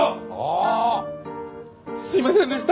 すいませんでした！